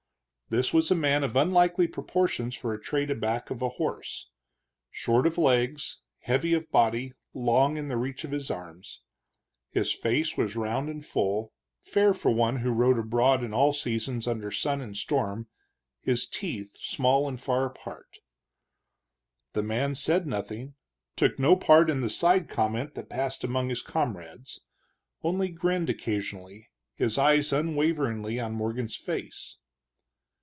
This was a man of unlikely proportions for a trade aback of a horse short of legs, heavy of body, long in the reach of his arms. His face was round and full, fair for one who rode abroad in all seasons under sun and storm, his teeth small and far apart. This man said nothing, took no part in the side comment that passed among his comrades, only grinned occasionally, his eyes unwaveringly on Morgan's face.